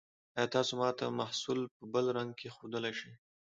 ایا تاسو ما ته محصول په بل رنګ کې ښودلی شئ؟